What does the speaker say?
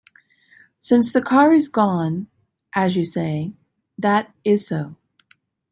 Since the car is gone, as you say, that is so.